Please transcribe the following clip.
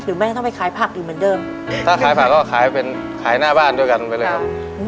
แม่ก็ต้องไปขายผักอยู่เหมือนเดิมถ้าขายผักก็ขายเป็นขายหน้าบ้านด้วยกันไปเลยครับ